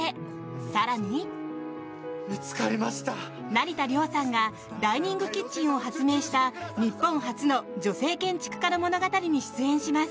更に、成田凌さんがダイニングキッチンを発明した日本初の女性建築家の物語に出演します。